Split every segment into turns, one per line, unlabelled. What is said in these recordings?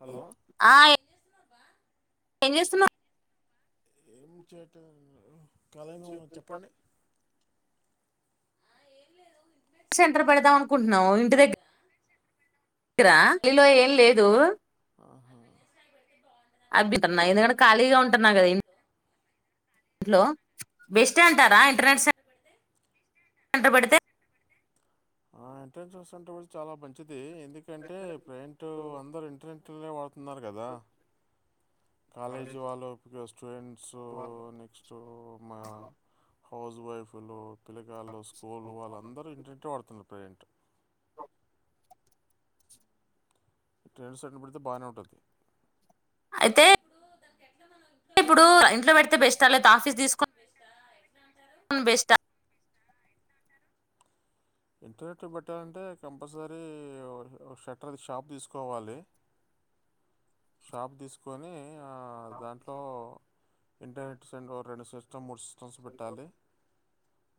Hello
ఏ జేస్తునవ్
ఏం చేయట్లే నేను కాళీగనే ఉన్నా చెప్పండి
సెంటర్ పెడదాం అనుకుంటున్నావు ఇంటి దగ్ ఇరా ఇలో ఏం లేదు
ఆహా
అబీత్ నైన్ వరకు ఖాళీగా ఉంటున్నా కదా ఇం హలో బెస్ట్ అంటారా ఇంటర్నెట్ సె కంటపడితే
ఆ ఏంట్రాన్సస్ సెంటర్ పెడితే చాలా మంచిది ఇది ఎందుకంటే ప్రైంట్ అందరు ఇంటర్నెట్ లనే వాడ్ తున్నారు కదా కాలేజీ వాళ్ళు ఇపుడు ఇగ స్టూడెంట్స్ నెక్స్ట్ మా హౌస్ వైఫలో పిల్లగాళ్లు స్కూలు వాళ్ళందరూ ఇంటర్నెట్ ఏ వాడుతున్నరు ప్రసెంటు ఈ ట్రైనింగ్ సెంటర్ పెడితే బానే ఉంటది
అయితే ఇప్పుడు ఇంట్లో పెడితే బెస్ట లేతే ఆఫీస్ తీసుకొ ఉమ్ బెస్ట
ఇంటర్నెట్ పెట్టాలంటే కంపల్సరీ ఒ షటర్ది షాప్ తీసుకోవాలి షాప్ దీసుకొని ఆ దాంట్లో ఇంటర్నెట్ సెంట్రూ రెండు సిస్టమ్ మూడు సిస్టమ్స్ పెట్టాలి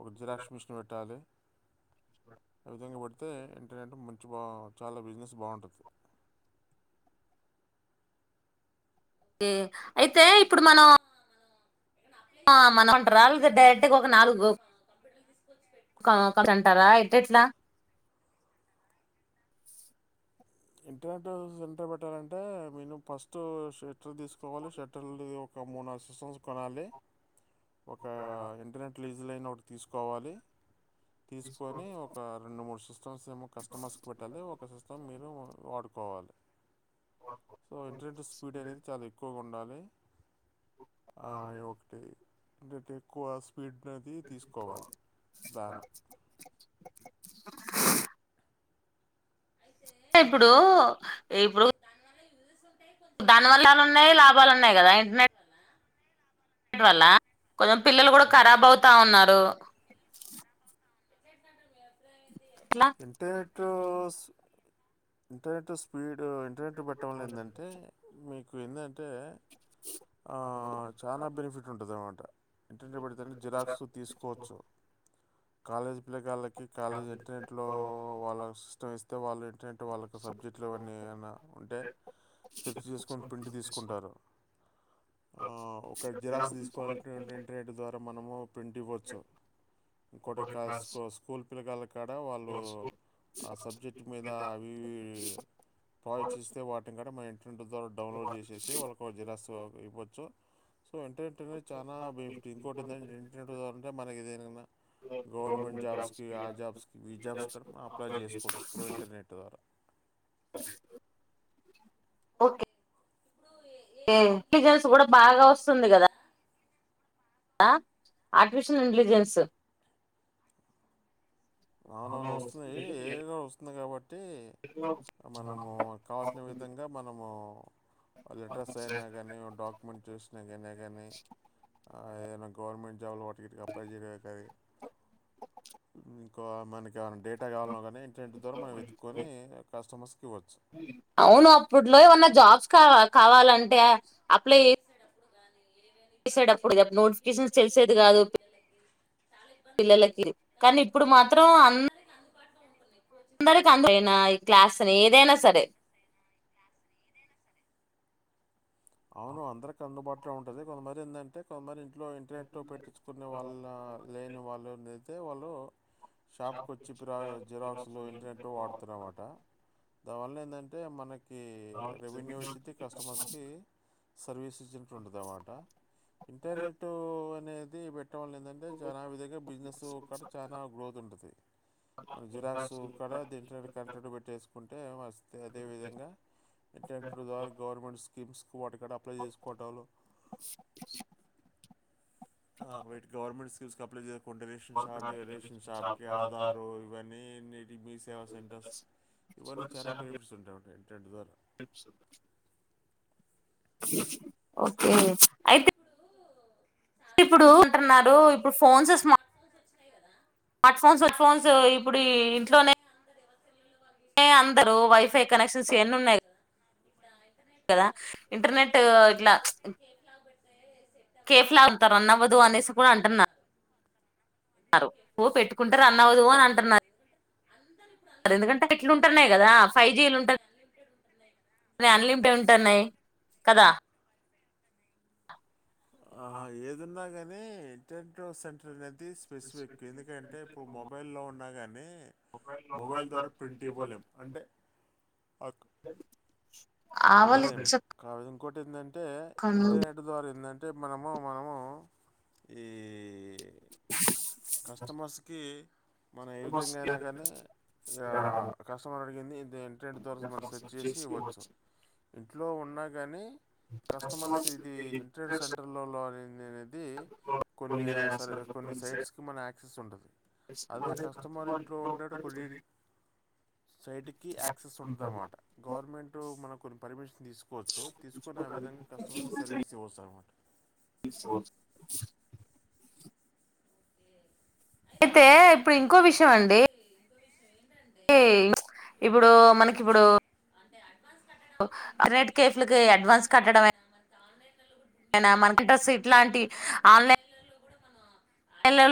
ఒక జిరాక్స్ మిషన్ పెట్టాలి ఆ విధంగా వెడితే ఇంటర్నెట్ మ చుబా చాలా బిజినెస్ బాగుంటది
కే అయితే ఇప్పుడు మనం మనం [unintelligible] లే డైరెక్ట్ ఒక నాలుగు అంటారా ఒకటి అంటారా ఎట్లా ఎట్లా
ఇంటర్నెట్ సెంటర్ పెట్టాలంటే మేను ఫస్ట్ షటర్ తీసుకోవాలి షటర్ ఒక మూడు సిస్టమ్స్ కొనాలి ఒక ఇంటర్నెట్ ప్లీజ్లైన్ ఒకటి తీసుకోవాలి తీసుకొని ఒక రెండు మూడు సిస్ [unintelligible] ఏమో కస్టమర్స్ కు పెట్టాలి ఒక సిస్టం మీరు వాడుకోవాలి సో ఇంటర్నెట్ స్పీడ్ అనేది చాలా ఎక్కువగా ఉండాలి ఆ ఒకటి డి కోస్ దానం
ఆ ఇప్పుడు ఇప్పుడు దానివల్లలా ఉన్నాయి లాభాలు ఉన్నాయి కదా ఇంటర్నెట్ ట్ వళ్ళ కొంచెం పిల్లలు కూడా ఖరాబ్ అవుతా ఉన్నారు ఎలా
ఇంటర్నెట్ ఇంటర్నెట్ స్పీడ్ ఇప్పుడు ఇంటర్నెట్ పెట్టడం వల్ల ఏంది అంటే మీకు ఎంద్ అంటే ఆచాలా బెనిఫిట్ ఉంటదనమాట ఇంటింటి పెడ్తానే జిరాక్స్ తీసుకోచ్చు కాలేజి పిల్లగాళ్ళకి కాలేజీ ఇంటర్నెట్ లో వాళ్ళ సిస్టం ఇస్ వాళ్లవిన్ టెంత్ వాలకిసబ్జెక్ట్లు అవన్నీ గనా ఉంటే సెర్చ్ చేసుకొని ప్రింట్ తీసుకుంటారు ఒక జిరాక్స్ తీసుకోవాలి ఇంటర్నెట్ ద్వారా మనము ప్రింట్ ఇవ్వచ్చు ఇంకొటి కా స్ స్కూల్ పిలగా లకి ఇక్కడ వాళ్ళు ఆ సబ్జెక్ట్ మీద అవి ఇవి ప్రాజెక్ట్స్ ఇస్తే వాటిని కూడా మన ప్రెంట్ ద్వారా డౌన్లోడ్ చేసేసి వాళ్ళకు జిరాక్స్ఇవ్వచ్చు [inaudible] చానా బెనిఫిట్ ఇంకోటి ఏంటంటే ఇంటర్నెట్ ద్వారా అంటే మనకి ఏదేన్నా గవర్నమెంట్ జాబ్స్ కి ఆ జాబ్స్ కి ఈ జాబ్స్ కి మనం అప్లై చేసుకోవచ్చు త్రూ ఇంటర్నెట్ ద్వారా
ఓకే ఎం [unintelligible] ట్లిజన్ కూడ బాగా వస్తుంది కదా ఆ ఆర్టిఫిషిల్ ఇంటెలిజెన్స్
అవునునవును వస్తుంది ఏఏ కూడ వస్తు వత్తుంది. కాబటి [unintelligible] అంటే మనము కావాల్సిన విధంగా మనము లెటర్స్ అయినా కానీ డాక్యుమెంట్ చేసినా కానా కానీ ఏవన్న గవర్నమెంట్ జాబ్లు వాటికి వీటికిఅప్లై చేయడంకానీ మీ కొ ఆర్న్ నానికి డేటా కావాలన్న కానీ ఇంటర్‌నెట్ ద్వారా మనం వెతుకొని కస్టమర్స్
అవును అప్పుట్లో ఏమన్నా జాబ్స్ కా కావాలంటే అప్లై చె వేసెడప్పుడు గా నూన్స్ [unintelligible] చేసేది కాదు పిల్లలకి కానీ ఇప్పుడు మాత్రం అన్ క్లాస్ అయినా ఏదైనా సరే
అవును అందరికి అందుబాట్ ఇంట్లొ ఉంటది కొంతమరి ఎందంటే కొల్మరి ఇంట్లోఇంటర్నెట్ పెట్టించుకునే వాళ్ళ లేని వాళ్ళు దే వాళ్ళు షాప్ కి వచ్చి పిరా జిరక్స్ లు ఇంటర్నెట్ వాడుతున్నారన మాట దానివల్ల ఏందంటే ఎ మనక్
అవును రవెన్యూ కి కస్టమర్స్ కి
సర్వీస్ ఇచ్చినట్టు ఉండుదన్నమాట ఇంటర్నెట్ అనేది బెట్ పెట్టడం వల్ల ఏంటంటే చాలా విధంగా బిజినెస్ కాడ చాలా గ్రోత్ ఉంటాది మన జిరాక్స్ ఇక్కడ ద ఇంటర్నెట్ కనెక్టట్ పెట్టేసుకుంటే వే అదేవిధంగా ఇంటర్నెట్ ద్వారా గవర్నమెంట్స్ కిబ్బ్ ఓటర్ కార్డ్ అప్లై చేసుకోవాటలు ఆ వెట్ గవర్నమెంట్స్ పీస్ కి అప్లే చేయం కొండ రేషన్ ఇరి [unintelligible] రేషన్ షాప్కి ఆధారు ఇవన్నీన్నిటి మీ సేవా సెంటర్స్ ఇవన్నీ చాలా బెనిఫిట్స్ ఉంటాయి బ్రో టెండ్ గర్
ఓకే అయితే ఇప్పుడు అంటున్నారు ఇప్పుడు ఫోన్స్స్ స్మార్ట్ ఫోన్స్మార్ట్ ఫోన్స్ ఇప్పుడు ఇంట్లోనే అందరు వైఫై కనెక్షన్స్ ఎన్ని ఉన్నాయి కదా ఇంటర్నెటు ఇట్ల కేఫ్లా అంత రన్ అవ్వదు అనేసి కూడా అంటున్నారు అనువ్వు పెట్టుకుంటే రన్ అవ్వదు అని అంటన్నరు ఎందుకంటే ఎట్లు ఉంటున్నాయి కదా ఫైవ్ జీలు ఉంటయి అన్లిమిటెడ్ ఉంటన్నాయి కదా
ఆ ఏదిన్నా కాని ఉ ఎ టే టె సెంటర్ అది స్పెసిఫిక్ ఎందుకంటే ఇప్పుడు మొబైల్లో ఉన్నా కానీ మొబైల్ ద్వారా ప్రింట్ ఇవ్వలేము అంటే అక్-
అ
ఇవ్వలేము కాద కొట్టిందని
కనూలు
అంటే మనము మనము ఈ కస్టమర్స్కి మనం ఏ విధంగా అయినా కానీ ఇగ కస్టమర్ మడిగింది ఇదే ఇంటర్నెట్ ద్వారా మనం సెర్చ్ చేసి ఇవ్వచ్చు ఇంట్లో ఉన్నా గానీ కస్టమర్స్ ఇది ఇంటర్నెట్ సెంటర్లోలోని [inaudible]
కొన్ని [inaudible]
సైట్స్కి మన యాక్సెస్ ఉంటుంది అదే కస్టమర్ ఇంట్లో ఉండడు కొన్ని సైట్కి యాక్సెస్ ఉంటదన్నమాట గవర్నమెంటు మన కొన్ని పర్మిన్ తీసు తీసుకోవచ్చు తీసుకుని ఆ విేధానికి కస్టమర్ సర్వీస్ ఇవచ్చు అనమాట
అయితే ఇప్పుడు ఇంకో విషయం అండి ఇప్పుడు మనకి ఇప్పుడుర్నెట్ కేఫలకి అడ్వాన్స్ కట్టడం అనా మనకింట్రెస్ ఇట్లాంటి ఆన్లైన్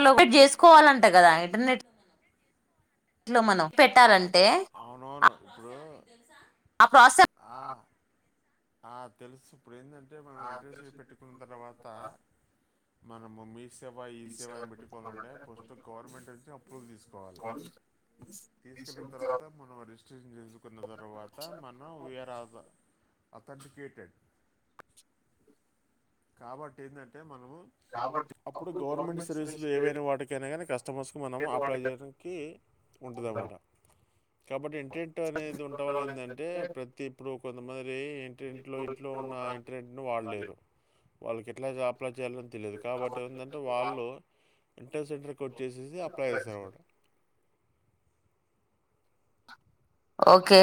లోకేట్ చేసుకోవాలంటే కదా ఇంటర్నెట్ ఇంట్లో మనం పెట్టాలంటే
అవునవును ఇప్పుడు
ఆ ప్రాస
ఆ ఆ తెలుసు ఇప్పుడు ఏందంటే మనం ఇంట్రెస్ట్ పెట్టుకున్న తర్వాత మన మమ్మీ మీ సేవా ఈ సేవ అని పెట్టుకోవాలంటే ఫస్ట్ గవర్నమెంట్ నుంచి అప్రూవల్ తీసుకోవాలి తీసుకున్న తర్వాత మనం రిజిస్ట్రేషన్ చేసుకున్న తర్వాత మనం వేరా అథెంటికేటెడ్
[inaudible]
కాబట్టి ఏందంటే మన ము అప్పుడు గవర్నమెంట్ సర్వీసులు ఏవైనా వాటికి కెనెగని కష్ట [unintelligible] మనం అప్లై చేయడానికి ఉంటుందన్నమాట కాబట్టి ఇంటర్నెట్ అనేది ఉంటం వల్ల ఏంటంటే ప్రతి ఇప్పుడు కొంతమంది ఇంట ఇంట్లో ఇంట్లో ఉన్న ఇంటర్నెట్ ని వాడలేరు వాళ్ళకి ఎట్లా అప్లై చేయాలని తెలియదు కాబట్టి ఏందంటే వాళ్ళు ఇంటర్ నెట్ సెంటర్కి వచ్చేసి అప్లై చేస్తారు అనమాట
ఓకే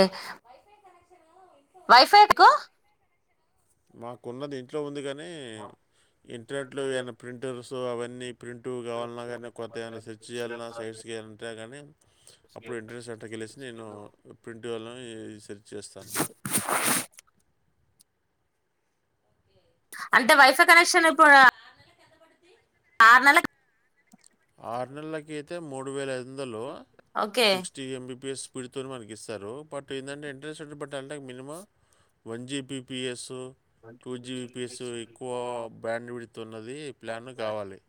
వైఫై కు
మాకున్నది ఇంట్లో ఉంది కన్ నీ ఇంటర్నెట్ లో ఏదైన ప్రింట్ లు అవన్నీ ప్రింట్ కావాలన్నా, కానీ కొత్త ఏమైనా సెర్చ్ చేయాలన్నా సైట్స్కి వెయాలంటే కానీ అప్పుడు. ఇంటర్నెట్ సెంటర్ కి నేను ప్రింట్ కాళ్లని సెర్చ్ చేస్తాను
అంటే వైఫై కనెక్షన్ ఇప్పుడ ఆరునెల్ల
ఆరు నెల్లకై తే మూడు వేలు ఇందులో
ఓకే
సిక్స్టీ ఎంబీపిఎస్ [unintelligible] మనకి ఇస్తారు బట్ ఏంటంటే ఇంట్రెస్ట్ ఎట్ పెట్టాలంటే minimum one GP PS two GB piece ఎక్కువ బ్రాండ్ విడుతున్నది ప్లాన్ కావాలి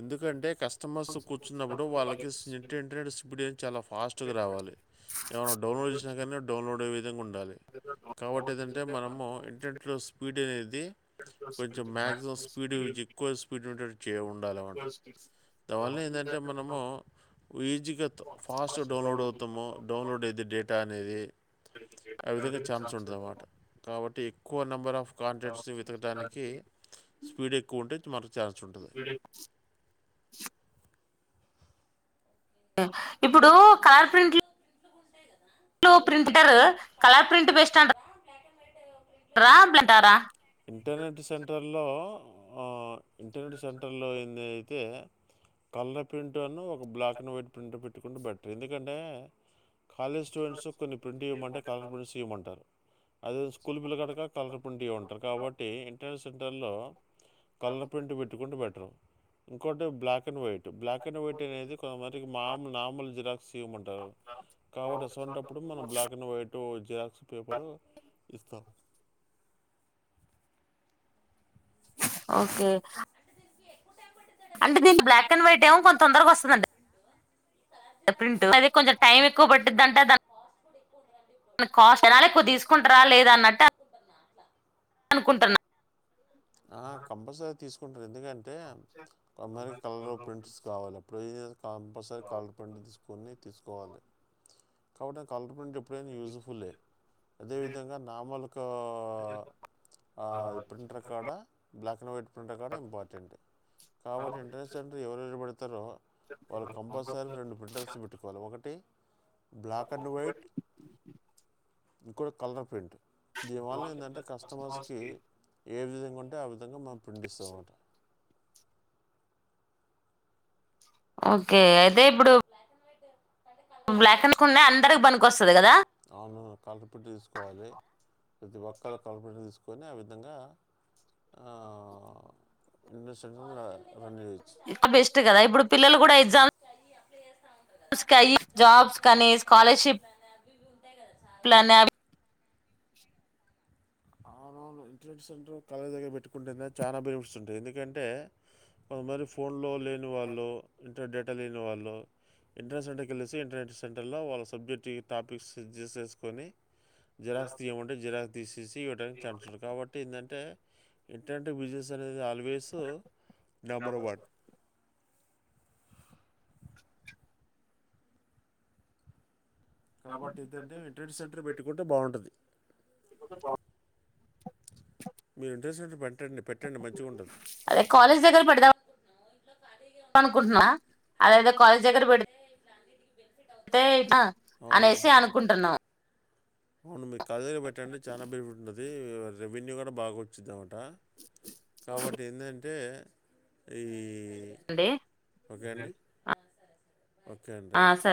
ఎందుకంటే కష్ట కస్టమర్స్ కూర్చున్నప్పుడు. వాళ్ళకి సింటర్నెట్ స్పీడ్ చాలా ఫాస్ట్ గా రావాలి, ఎమైనా డౌన్లోడ్ చేసినా కానీ డౌన్లోడ్ అయ్యె వి విధంగా ఉండాలి కాబట్టి ఏదంటే మనము ఇంటర్నెట్లో స్పీడ్ అనేది కొంచెం మాక్సిమం స్పీడ్ ఎక్కువ స్పి స్పీట్ ఉటు [inaudible] చే ఉండాలన్నమాట దానివల్ల ఏంటంటే మనము ఈజీగా ఫాస్ట్గా డౌన్లోడ్ అవుతాము డౌన్లోడ్ అయితేే డేటా అనేది ఆ విధంగా ఛాన్స్ ఉంటంది అ మాట కాబట్టి ఎక్కువ ఫో నంబర్ ఆఫ్ కాంటాక్ట్స్ని వెతకడానికి స్పీడ్ ఎక్కువ ఉంటే మర్
అ ఇప్పుడు కలర్ ప్రింట్లు లో ప్రింటటర్ కలర్ ప్రింట్ బేస్ట్ అం రాంప్లేంటారా
ఇంటర్నెట్ సెంటర్ లో ఆ ఇంటర్నెట్ సెంటర్లో ఏంది అయితే కలర్ ప్రింట్ అన్ను ఒక బ్లాక్ అండ్ వైట్ ప్రింట్ పెట్టుకుంటే బెటర్ ఎందుకంటే కాలేజ్ స్టూడెంట్స్ కొన్ని ప్రింట్ ఇవ్వమంటే కలర్ ప్రింస్ ఇవ్వమంటారు అదే స్కూల్ పిల్ల కాయలక కలర్ ప్రింట్ ఇవ్వండి కాబట్టి ఇంట్రెన్స్ సెంటర్ల్లో కలర్ ప్రింట్ పెట్టుకుంటె బెటరు ఇంకోటి black and white black and white అనేది కొంతమందికి మామూలు నార్మల్ జిరాక్స్ ఇవ్వమంటారు కాబట్టి అసువంట్టప్పుడు మనం black and white xerox paper ఇస్తాం
ఓకే అంటే దీని బ్లాక్ అండ్ వైట్ ఏమో ఎప్రైజ్ అది కొంచెం టైం ఎక్కువ పట్టుద్దంటా దాన్ని కాస్ట్ అలానే ఎక్కువ తీసుకుంటారా లేదా అన్నట్టు అనుకుంటున్నా
ఆ కంపల్సరీ తీసుకు ఎందుకంటే మరి కలర్ ప్రింట్స్ కావాలి ఇప్పుడు కంపల్సరీ కలర్ ప్రింట్ తీసుకొని తీసుకోవాలి కావుటే కలర్ అది ఎప్పుడైనా యూస్ఫుల్లే అదేవిధంగా నార్మల్. ఆహ్ ఆ ప్రింటర్ కాడ బ్లాక్ అండ్ వైట్ ప్రింటర్ కాడ ఇంపార్టెంట్ కాబట్టి ఇంటర్నెట్ సెంటర్ ఎవరు పెడు తారో వాళ్ళు కంపల్సరీ రెండు ప్రింటర్స్ పెట్టుతే ఒకటి బ్లాక్ అండ్ వైట్ ఇంకొటి కలర్ ప్రింట్ దీనివల్ల ఏందంటే కస్టమర్స్కి ఏ విధంగా ఉంటే ఆ విధంగా మనం ప్రింట్ఇస్తాం అన్నమాట
ఓకే అయితే ఇప్పుడు బ్లాక్ అని కొన్నా అన్
అవును కలర్ ప్రింట్ తీసుకోవాలి ప్రతి ఒక్కరు కలర్ ప్రింట్ తీసుకొని అవి ఆ విధంగా క్రింద షెటర్ ఉంది కదా
బెస్ట్ కదా ఇప్పుడు పిల్లలు కూడా ఎగ్జామ్ స్ జాబ్స్ కానీ స్కాలర్షిప్ ప్లానవి
అవునవును ఇంటర్నెట్ సెంటర్ కాలేజ్ దగ్గర పెట్టుకుంటే చాలా బెనిఫిట్స్ ఉంటాయి. ఎందుకంటే కొంత మంది ఫోన్ లో లే వాళ్ళు ఇ డేటా లేని వాళ్ళు ఇంటర్నెట్ సెంటర్కి వెళ్ళెసి ఇంటర్నెట్ సెంటర్లో వాళ్ళ సబ్జెక్ట్ టి టాపిక్స్ సెట్ చేసేసుకొని జిరాక్స్ తీయమంటే జిరాక్స్ దిస్ ఈజ్ తీయడానికి ఛాన్స్ ఉంటాది కాబట్టి ఏందంటే ఎంటంటే బిజినెస్ అనేది ఆలోచ వేస్తూ నెంబర్ వన్ కాబట్టి ఏందంటే ఇంటర్నెట్ సెంటర్ పెట్టుకుంటే బాగుంటాది. మీరు ఇంట్రెస్ట్న్ బేట్టి
అదే కాలేజ్ దగ్గర పెడదాం అనుకుంటున్నా అదేదో కాలేజ్ దగ్గర పెడితే అనేసి
అవును
అనుకుంటున్నాం.
అవును మీ కాలేజ్ దగ్గర పెట్టండి చానా బెనిఫిట్స్ ఉంటది. ఇ రెవెన్యూ కూడా బాగా వచ్చిద్ధి అ కాబట్టి ఏందంటె టే ఈ
అండి
ఓకే అండి ఓకే అండి
ఆ,
రైట్
సరే